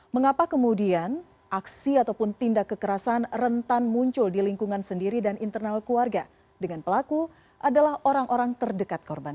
mengapa kemudian aksi ataupun tindak kekerasan rentan muncul di lingkungan sendiri dan internal keluarga dengan pelaku adalah orang orang terdekat korban